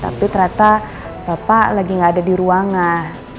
tapi ternyata bapak lagi gak ada di ruangan